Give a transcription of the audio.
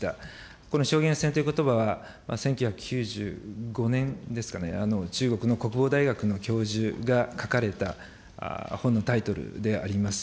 このしょうげんせんということばは、１９９５年ですかね、中国の大学の教授が書かれた、本のタイトルであります。